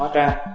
bản thân dân tộc